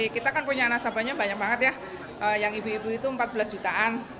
kita kan punya nasabahnya banyak banget ya yang ibu ibu itu empat belas jutaan